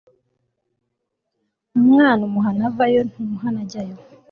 umwana umuhana avayo ntumuhana ajyayo